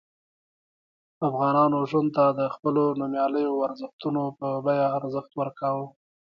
افغانانو ژوند ته د خپلو نوميالیو ارزښتونو په بیه ارزښت ورکاوه.